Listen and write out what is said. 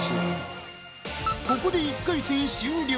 ここで１回戦終了